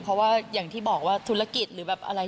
เพราะว่าอย่างที่บอกว่าธุรกิจหรือแบบอะไร